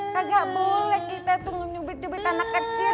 kagak boleh kita tuh menyubit nyubit anak kecil